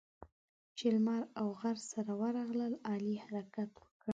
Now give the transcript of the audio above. چې لمر او غر سره ورغلل؛ علي حرکت وکړ.